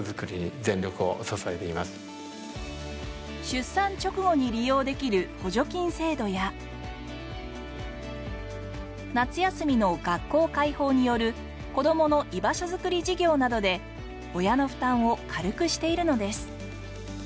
出産直後に利用できる補助金制度や夏休みの学校開放による子どもの居場所づくり事業などで親の負担を軽くしているのです。